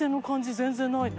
全然ないね。